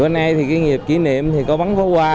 nhiều nghiệp kỷ niệm có bắn pháo qua